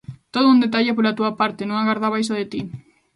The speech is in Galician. Todo un detalle pola túa parte, non agardaba iso de ti.